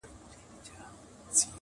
خلک بېلابېل اوازې جوړوي تل,